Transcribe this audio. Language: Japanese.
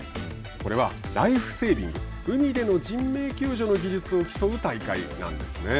これはライフセービング海での人命救助の技術を競う大会なんです。